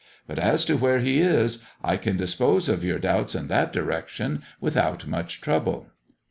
But as to where he is, I can dispose of your doubts in that direction without much trouble."